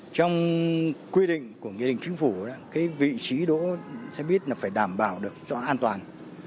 trong quy định của nghị định chính phủ vị trí đỗ sẽ biết là phải đảm bảo được cho an toàn